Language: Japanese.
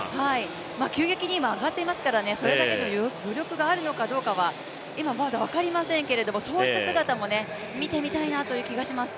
急激に上がっていますからそれだけの余力があるのか、今はまだ分かりませんけどそういった姿も見てみたいなという気がします。